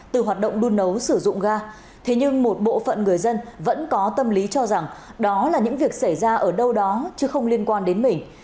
từ hoạt động đun nấu sử dụng ga thế nhưng một bộ phận người dân vẫn có tâm lý cho rằng đó là những việc xảy ra ở đâu đó chứ không liên quan đến mình